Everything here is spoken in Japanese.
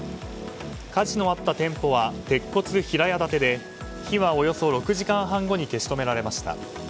火事のあった店舗は鉄骨平屋建てで火はおよそ６時間半後に消し止められました。